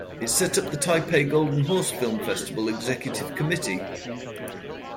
It set up the Taipei Golden Horse Film Festival Executive Committee.